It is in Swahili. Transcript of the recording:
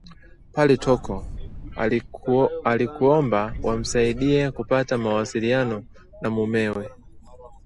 pale Toko ili kuomba wamsaidie kupata mawasiliano na mumewe